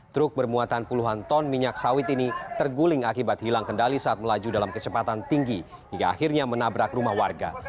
truk bermuatan puluhan ton minyak sawit ini terguling akibat hilang kendali saat melaju dalam kecepatan tinggi hingga akhirnya menabrak rumah warga